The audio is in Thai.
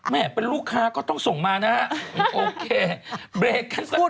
เป็นลูกค้าก็ต้องส่งมานะฮะโอเคเบรกกันสักครู่